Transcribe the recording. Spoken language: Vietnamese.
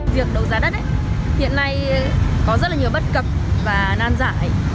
việc đấu giá đất hiện nay có rất là nhiều bất cập và nan giải